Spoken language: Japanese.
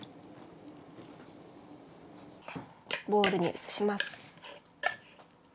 ボウルに移します。